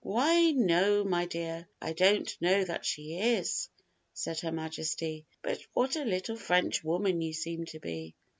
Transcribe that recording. "Why no, my dear, I don't know that she is," said Her Majesty; "but what a little French woman you seem to be."